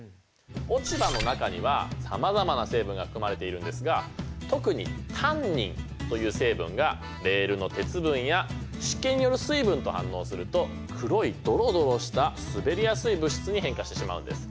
落ち葉の中にはさまざまな成分が含まれているんですが特にタンニンという成分がレールの鉄分や湿気による水分と反応すると黒いドロドロした滑りやすい物質に変化してしまうんです。